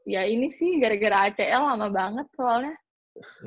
ya ini sih gara gara acl lama banget soalnya